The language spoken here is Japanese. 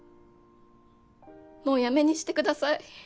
もうやめにしてください。